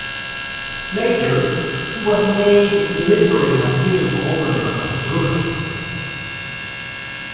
Later, he was made military and civil governor of Bruges.